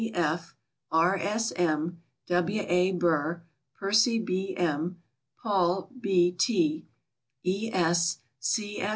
C. B. F., R. S. M., W. A. Burr, Percy B. M., Paul. B. T., E.